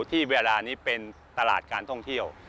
ที่เวลานี้เป็นตลาดการท่องเที่ยว